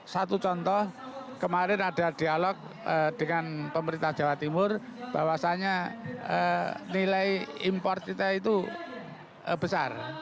satu contoh kemarin ada dialog dengan pemerintah jawa timur bahwasannya nilai impor kita itu besar